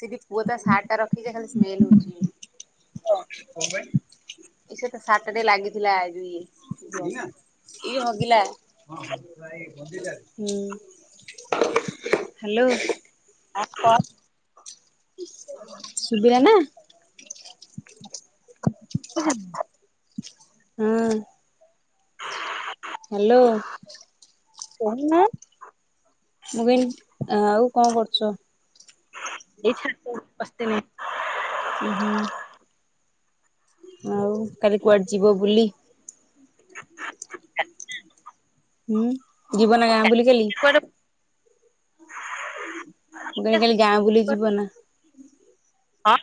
ସେ ବି ପୁଅ ତା ସାର୍ଟ ଟା ରଖିଚି ଯେ ଖାଲି ସ୍ମେଲ୍ ହୋଉଚି। କ ପାଇଁ? ଇ ସେ ତା ସାର୍ଟ ଟା ଲାଗିଥିଲା ଏ ଯୋଉ ଇଏ ଇଏ ହଗିଲା ହ୍ୟାଲୋ। ଆ କ ଶୁ ବିଲା ନା [inaudible] ହୁଁ। ହ୍ୟାଲୋ। କହୁନ? ମୁଁ କଇଲି ଆଉ କଣ କରୁଚ? ଦେଖିଆ କୋଉଠି ପଶିଥିବ ଉଁ ହୁଁ। ଆଉ କାଲି କୁଆଡେ ଯିବ ବୁଲି? ଉଁ ଭୁବନ ଗାଁ ବୁଲି କାଲି କୁଆଡେ ମୁଁ କଇଲି କାଲି ଗାଁ ବୁଲି ଯିବ ନା। ହଁ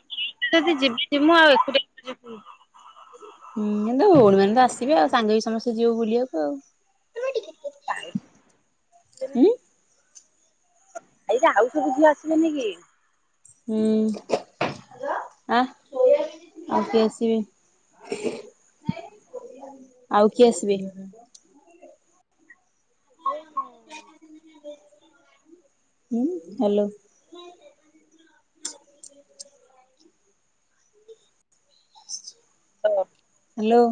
ଯଦି ଯିବିନି ମୁଁ ଆଉ ଏକୁଟିଆ କେମିତି ଯିବି। ହୁଁ ମୁଁ କହିଲି ଭଉଣୀ ମାନେ ତ ଆସିବେ ଆଉ ସାଙ୍ଗ ହେଇ ସମସ୍ତେ ଯିବ ବୁଲିଆକୁ ଆଉ। ଆଉ ହୁଁ ଏଇଟା ଆଉ ସବୁ ଝିଅ ଆସିବେନି କି? ହୁଁ ଆଁ ଆଉ କିଏ ଆସିବେ ଆଉ କିଏ ଆସିବେନି। ହୋଉ ହୋଉ। ଉଁ ହ୍ୟାଲୋ।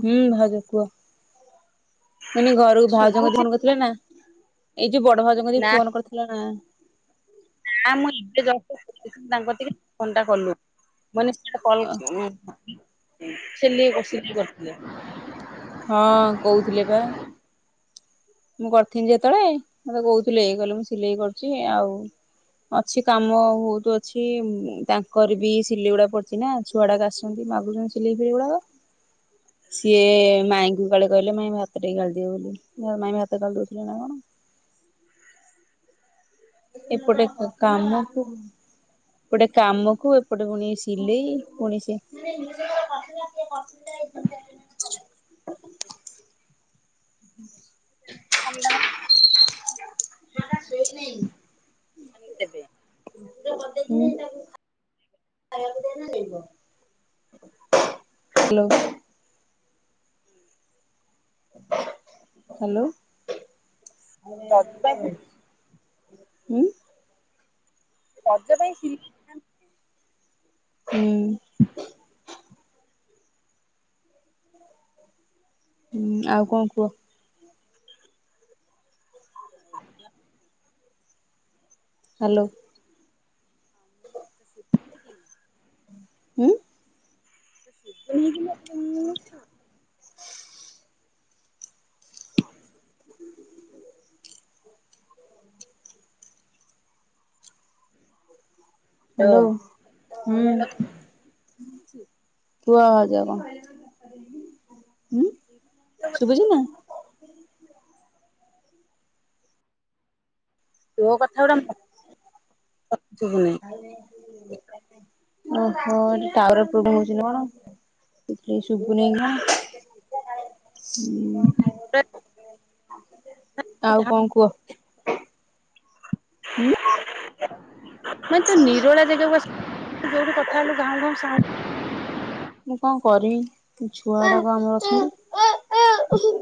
ହୁଁ ଭାଉଜ କୁଅ। ମାନେ ଘରକୁ ଭାଉଜ ମତେ ଶୁଭୁଛି ଫୋନ୍‌ କରିଥିଲା ନା ଏଇ ଯୋଉ ବଡ଼ ଭାଉଜଙ୍କ କତିକି ନା ଫୋନ୍ କରିଥିଲା ନା। ଆଁ ମୁଁ ଏବେ ଜଷ୍ଟ ଶୋଇଥିଲି ତାଙ୍କ ଗତିକି ଫୋନ୍ ଟା କଲୁ। ମାନେ ଛୁଆ କଲ୍ ସିଲେଇ ବସିକି କରୁଥିଲେ। ହଁ କହୁଥିଲେ ବା ମୁଁ କରିଥିଲି ଯେତେବେଳେ ମତେ କହୁଥିଲେ ଅଛି କାମ ବୋହୁତୁ ଅଛି, ତାଙ୍କର ବି ସିଲେଇ ଗୁଡା ପଡିଚି ନା ଛୁଆ ଆଡାକ ଆସୁଛନ୍ତି ମାଗୁଚନ୍ତି ସିଲେଇ ଫିଲେଇ ଗୁଡାକ। ସିଏ ମାଇଁଙ୍କୁ କାଳେ କହିଲେ ମାଇଁ ଭାତ ଟିକେ ଗାଳି ଦିଅ ବୋଲି [unintelligible] ମାଇଁ ଭା ସେ ଗାଳି ଦେଉଥିଲେ ନା କଣ। ଏପଟେ କ -କାମକୁ ଏପଟେ କାମକୁ ଏପଟେ ପୁଣି ସିଲେଇ ପୁଣି ସେ [unintelligible] [inaudible] ଝିଅ ଆଣିକି ଟା ଶୋଇ ନେଇ। ଦେବେ ହୁଁ [unintelligible] ହାଲୋ। ହାଲୋ। ରଜ ପାଇଁ ରଜ ପାଇଁ ଖି ହୁଁ। ହୁଁ ଆଉ କଁ କୁହ। ଆଜ୍ଞା। ହାଲୋ। ଶୁଭୁନି କି [unintelligible] ଶୁଭୁନି କି? ହାଲୋ, ହୁଁ। କୁହ ଭାଉଜ କଣ? ହୁଁ ହ୍ୟାଲୋ। ଶୁଭୁଚି ନା? ତୋ କଥା ଗୁଡା ମୋତେ ଶୁଭୁନି। ଓହୋ ଟାୱାର୍ ପ୍ରୋବେଲେମ୍ ହୋଉଛି ନା କଣ। କେହି ଶୁଭୁନେଇ କଣ। କଁ ଖାଇବ, ମତେ ଆଉ କଣ କୁହ। ହୁଁ ହୁଏତ ନିରୋଳା ଜାଗାକୁ ଯୋଉଠି କଥା ହେଲୁ ଘାଉ ଘାଉଁ ସାଉଣ୍ଡ୍ ମୁଁ କଣ କରିବି ଛୁଆ ଗୁଡା ଆମର ଅଛନ୍ତି।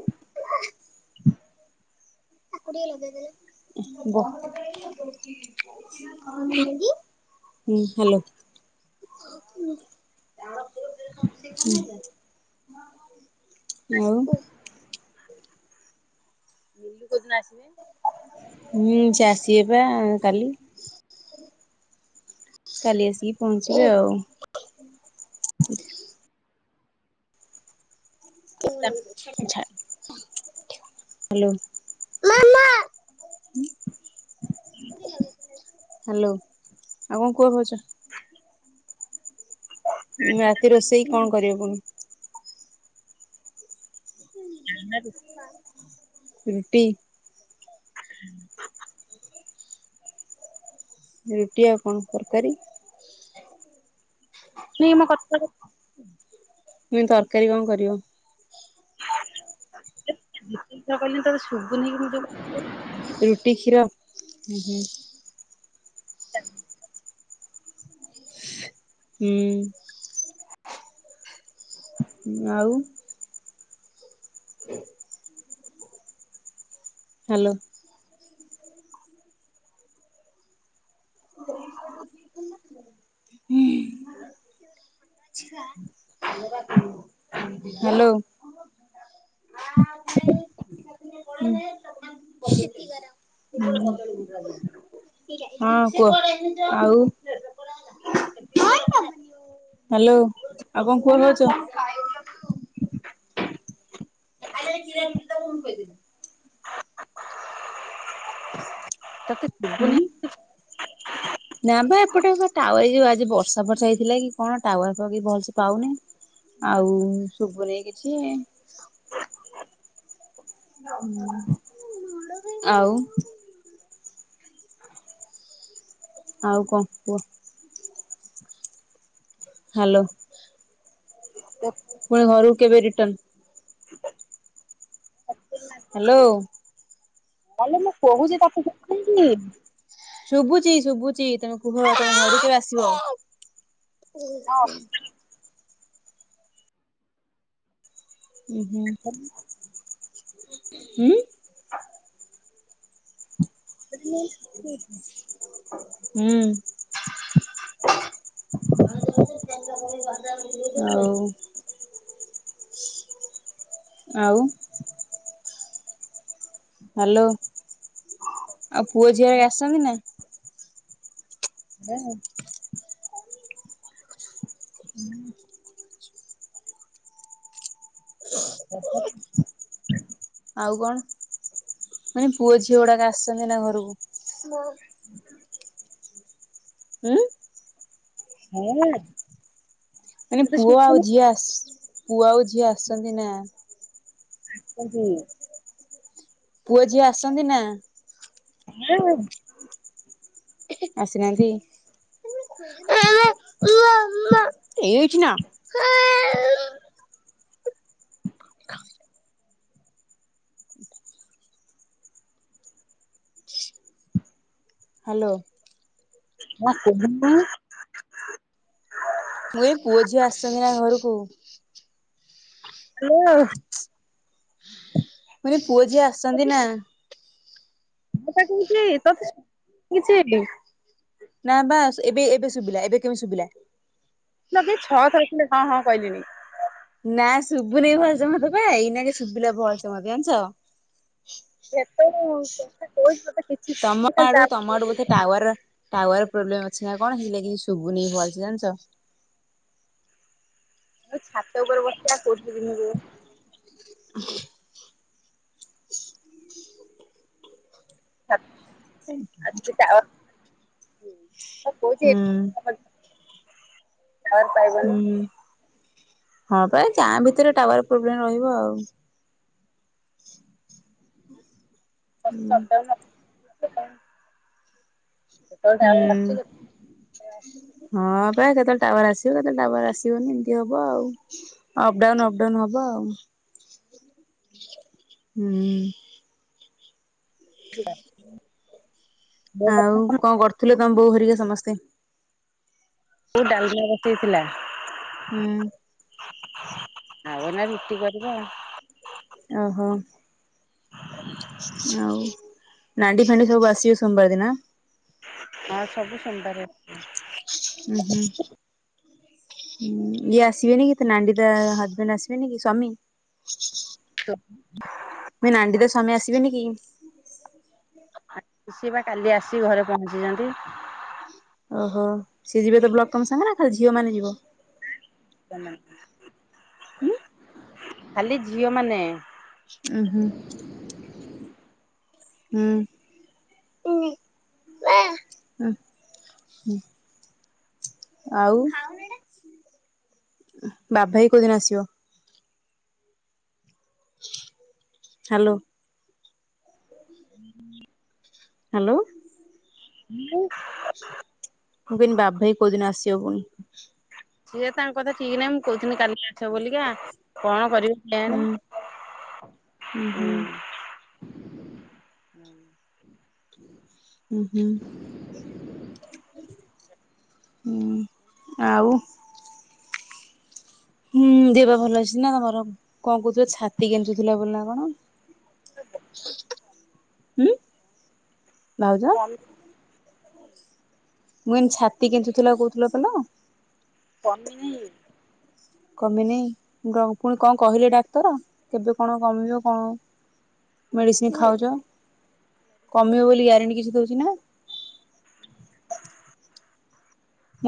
[unintelligible] ହୁଁ ହାଲୋ। [inaudible] ଆସି ଆଉ। ମିଲୁ କୋଉଦିନ ଆସିବେ? ହୁଁ ସିଏ ଆସିବେ ବା କାଲି। କାଲି ଆସିକି ପହଞ୍ଚିବେ ଆଉ। ତା ହାଲୋ, ମାମା ହାଲୋ, ଆଉ କଣ କୁହ ଭାଉଜ। ରାତି ରୋଷେଇ କଁ କରିବ ପୁଣି। ଏନାଠୁ ରୁଟି। ରୁଟି ଆଉ କଣ ତରକାରୀ? ନେଇ ମୋ କଥାର। ତୁମେ ତରକାରୀ କଣ କରିବ? ଯେତିକି ଥର କହିଲେ ତାର ଶୁଭୁନି କିନ୍ତୁ ରୁଟି କ୍ଷୀର ହୁଁ ହୁଁ। ହୁଁଉଁ ହୁଁ ଆଉ [inaudible] ହାଲୋ। ହ୍ୟାଲୋ ହୁଁ ହଁ କୁହ ଆଉ ହାଲୋ ଆଉ କଣ କୁହ ଭାଉଜ? ଖାଇଛ ତ ଆରେ କ୍ଷୀର ରୁଟି ଦବୁ ମୁଁ ଖୋଇଦେବି। ତତେ ଶୁଭୁନି ହୁଁ କି? ନା ବା ଏପଟେ ଟାୱାଏ ଯଉ ଆଜି ବର୍ଷା ଫର୍ଷା ହେଇଥିଲା କି କଣ ଟାୱାରବି ଭଲସେ ପାଉନି। ଆଉ ଶୁଭୁନି କିଛି। ଆଉ ଆଉ କ କୁହ? ହାଲୋ। ଦେ ପୁଣି ଘରକୁ କେବେ ରିଟର୍ଣ? ହ୍ୟାଲୋ ଆଲୋ ମୁଁ କହୁଚି ତାକୁ [inaudible] ଶୁଭୁଚି ଶୁଭୁଚି ତମେ କୁହ ତମ ଘରୁକୁ [inaudible] ଆସିବ? ଉୁ ହୁଁ ତାକୁ ହୁଁ। ସେ ସେ [unintelligible] ହୁଁ। ଆଉ ଆଉ। ହ୍ୟାଲୋ ଆଉ ପୁଅ ଝିଅ ଆସିଛନ୍ତି ନା। [unintelligible] ହୁଁ ଦେ [inaudible] ଆଉ କଣ ମାନେ ପୁଅ ଝିଅ ଗୁଡାକ ଆସିଚନ୍ତି ନା ଘରକୁ ହଁ। ହୁଁ [unintelligible] ହୁଁ ହଁ [unintelligible] ପୁଅ ଆଉ ଝିଅ ପୁଅ ଆଉ ଝିଅ ଆସିଛନ୍ତି ନା? ଏ ହି। ପୁଅ ଝିଅ ଆସନ୍ତି ନା? ହ [unintelligible] ଆସିନାହାନ୍ତି। ଉ ଏଇଠି ନା [unintelligible] ହ୍ୟାଲୋ। ହ କେ [inaudible] ମୁଁ ଏଇ ପୁଅ ଝିଅ ଆସିଛନ୍ତି ନା ଘରକୁ। ହାଲୋ। ମୁଁ କହିନି ପୁଅ ଝିଅ ଆସଛନ୍ତି ନା? ା କହୁଛି ତତେ କିଛି [inaudible] ନା ବାସ୍ ଏବେ ଏବେ ଶୁଭିଲା ଏବେ କେମିତି ଶୁଭିଲା। ମୁଁ କି ଛଅ ଥର ଖଣ୍ଡେ ହଁ ହଁ କହିଲଣିି। ନା ଶୁଭୁ ନେଇ ଭଲସେ ମତେ ପା ଏଇନା କେ ଶୁଭିଲା ଭଲସେ ମତେ ଜାଣିଛ। ସେତେ କଥା କହୁଛି ତତେ କିଛି ଖାଲି ତମଆଡୁ ତା ତମ ଆଡୁ ବୋଧେ ମୁଁ ଟାୱାର ଆସୁ ଟାୱାର ପ୍ରୋବ୍ଲେମ ଅଛି ନା କଣ ହେଇ ଲାଗି ଶୁଭଭୁ ନେଇ ଭଲସେ ଜାଣିଛ। ମୁଁ ଛାତ ଉପରେ ବସିଚି ଆଉ କୋଉଠି କିି ଜିମି କହୁନ। [inaudible] ଆ ସେ [inaudible] ସଛି ହୁଁ [inaudible] ହୁଁ ହଁ ପା ଗାଁ ଭିତରେ ଟାୱାର ପ୍ରୋବ୍ଲେମ ରହିବ ଆଉ। ହୁଁ। କ [inaudible] ହୁଁ। ହଁ ପା କେତେବେଳେ ଟାୱାର ଆସିବ କେତେବେଳେ ଟାୱାର ଆସିବନି ଏମିତି ହବ ଆଉ। ଅପଡାଉନ ଅପଡାଉନ ହବ ଆଉ ହୁଁ। [unintelligible] ମୋ ଆଉ କଥା କଣ କରୁଥିଲେ ତମେ ବୋଉ ହେରିକା ସମସ୍ତେ? ବୋଉ ଡାଲଦିଆ ବସେଇଥିଲା। ହୁଁ। ଆଉ ଏଇନା ରୁଟି କରିବ। ଓହୋ। ଆଉ ନାଣ୍ଡି ଫାଣ୍ଡି ସବୁ ଆସିବେ ସୋମବାର ଦିନ। ହଁ ସବୁ ସୋମବାର ଆସିବେ। ହୁଁ ହୁଁ। ହୁଁ ଇଏ ଆସିବେନି କି ନାଣ୍ଡି ତା ହଜବେଣ୍ଡ ଆସିବେନି କି ସ୍ୱାମୀ? ହ। ମୁଁ କହିନି ନାଣ୍ଡି ତ ସ୍ୱାମୀ ଆସିବେନି କି? ସିଏବା କାଲି ଆସିି ଘରେ ପହଞ୍ଚିଛନ୍ତି। ଓହୋ ସିଏ ଯିବେ ତ ବ୍ଲକ ତମ ସାଙ୍ଗେ ନା ଖାଲି ଝିଅ ମାନେ ଯିବ। ହୁଁ ଖାଲି ଝିଅ ମାନେ। ଉଁ ହୁଁ। ହୁଁ। [unintelligible] ଆଉ ବାବୁ ଭାଇ କୋଉଦିନ ଆସିବ? ହ୍ୟାଲୋ। ହୁଁ ହ [inaudible] ହ୍ୟାଲୋ। ହଁ [inaudible] [inaudible] ଭାଇ କୋଉଦିନ ଆସିବ ପୁଣି ସିଏ ତାଙ୍କ କଥା ଠିକ୍ ନାହିଁ, ମୁଁ କହୁଥିନି କାଲିକି ଆସ ବୋଲିକା କଣ କରିବି [inaudible] ହୁଁ ଉଁ ହୁଁ ହୁଁ ହୁଁ-ହୁଁ। ହୁଁ, ଆଉ ହୁଁ ଦେହପା ଭଲ ଅଛି ନା ତମର, କଣ କହୁଥିଲ ଛାତି କେଞ୍ଚୁ ଥିଲା ନା କଣ। [unintelligible] ଭାଉଜ କମି ମୁଁ [unintelligible] ଛାତି କେନ୍ତୁଥିଲା କହୁଥିଲ [unintelligible] [inaudible] କମିନେଇଁ, ପୁଣି କଣ କହିଲେ ଡାକ୍ତର? କେବେ କଣ କମିବ କଣ ମେଡିସିନ୍ ଖାଉଚ। ମେଡିସିନ ତ କମିବ ଦେଇ ବୋଲି ଗ୍ୟାରେଣ୍ଟି କିଛି ଦଉଚି ନା।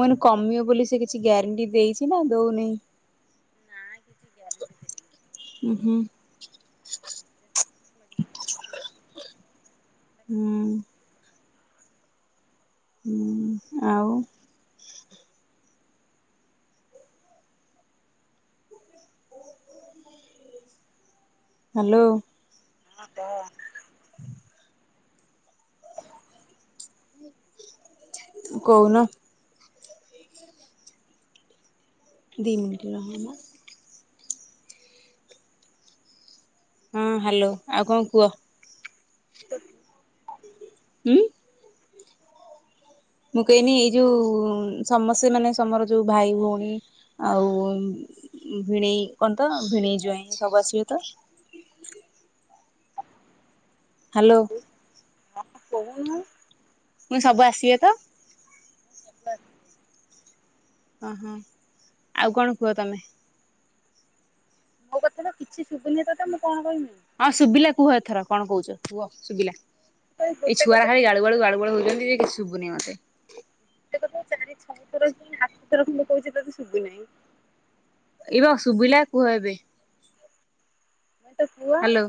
ମୁଁ କହିନି କମିବ ବୋଲି ସେ କିଛି ଗ୍ୟାରେଣ୍ଟି ଦେଇଚି ନା ଦଉନି। [inaudible] ହୁଁ-ହୁଁ। ହୁଁ। ହୁଁ, ଆଉ ହାଲୋ। [inaudible] [inaudible] କହୁନ। ଦି ମିନିଟ [unintelligible] ହୁଁ, ହାଲୋ ଆଉ କଣ କୁହ। [unintelligible] ହୁଁ। ମୁଁ କହିନି ଏଇ ଯୋଉ ସମସ୍ତେ ମାନେ ସମର ଯୋଉ ଭାଇ ଭଉଣୀ ଆଉ ଭିଣେଇ କଣ ତ ଭିଣେଇ ଜ୍ୱାଇଁ ସବୁ ଆସିବେ ତ? ହାଲୋ। ହଁ କହୁନୁ। ମୁୁଁ ସବୁ ଆସିବେ ତ? [inaudible] ଅହଁ ଆଉ କଣ କୁହ ତମେ। ମୋ କଥା ତ କିଛି ଶୁଭୁନି ତତେ ମୁଁ କଣ କହିବି। ହଁ ଶୁଭିଲା କୁହ ଏଥର କଣ କହୁଚ କୁହ ଶୁବିଲା। ତ ଏଇ ଗୋଟେ ଛୁଆରା କଥା ଖାଳି ଗାଳୁ-ଗାଳୁ ହଉଚନ୍ତି ଯେ କି ଶୁବୁନି ମତେ। ଗୋଟେ କଥା ଚାରି ଛଅ ଥର ଯ ଆଠ ଥର ଖଣ୍ଡ କହୁଚି ତତେ ଶୁବୁନେଇଁ। ଏଇ ବା ଶୁବିଲା କୁହ ଏବେ। ମୁଁ ତ ପୁଅ ହାଲୋ।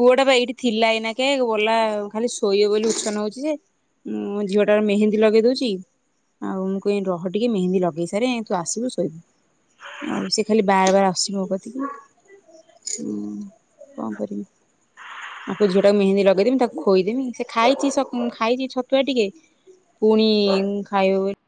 ପୁଅଟା ବା ଏଇଠି ଥିଲା ଏଇନା କେ ଗଲା ଖାଲି ଶୋଇବ ବୋଲି ଉଛନ ହଉଚି ଯେ। ମୁଁ ଝିଅଟାର ମେହେନ୍ଦୀ ଲଗେଇ ଦଉଚି। ଆଉ ମୁଁ କୁହେ ରହ ଟିକେ ମେହେନ୍ଦୀ ଲଗେଇ ସାରେ ତୁ ଆସିବୁ ଶୋଇବୁ। ଆଉ ସେ ଖାଲି ବାର୍-ବାର୍ ଆସିବ [unintelligible] ହୁଁ କଣ କରିବି। ଆକୁ ଝିଅ ଟାକୁ ମହେନ୍ଦି ଲଗେଇଦେମି ତାକୁ ଖୋଇଦେମି ସେ ଖାଇଚି [unintelligible] ଖାଇଚି ଛତୁଆ ଟିକେ। ପୁଣି ଖାଇବ [unintelligible]